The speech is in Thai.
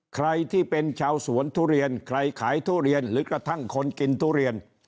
ใครที่เป็นชาวสวนทุเรียนใครขายทุเรียนหรือกระทั่งคนกินทุเรียน